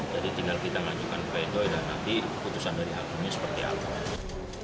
jadi tinggal kita lanjutkan pledoi dan nanti keputusan dari hal ini seperti apa